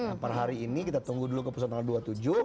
nah per hari ini kita tunggu dulu keputusan tanggal dua puluh tujuh